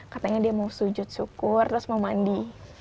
katanya dia mau sujud syukur terus mau mandi